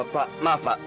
pak maaf pak